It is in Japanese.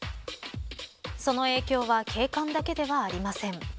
その影響は景観だけではありません。